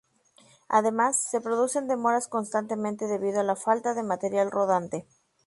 Además, se producen demoras constantemente, debido a la falta de material rodante.